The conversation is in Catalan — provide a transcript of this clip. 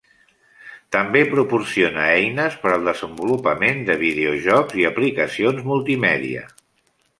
També proporciona eines per al desenvolupament de videojocs i aplicacions multimèdia.